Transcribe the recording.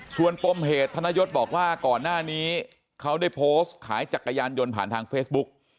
ส่วนปมเหตุธนยศบอกว่าก่อนหน้านี้เขาได้โพสต์ขายจักรยานยนต์ผ่านทางเฟซบุ๊ก